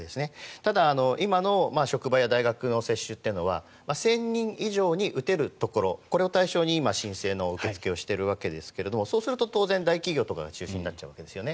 ただ、今の職場や大学の接種というのは１０００人以上に打てるところこれを対象に今申請の受け付けをしていますがそうすると、当然大企業とかが中心になっちゃうわけですね。